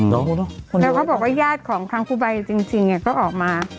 แล้วคุณเขาบอกว่าญาติของครางภูไบจริงจริงเนี่ยก็ออกมา